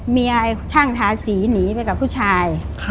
เมียช่างทาสีหนีไปกับผู้ชาย